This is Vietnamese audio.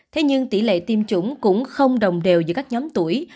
thế nhưng tỷ lệ tiêm chủng cũng không đồng đều giữa các nhóm tuổi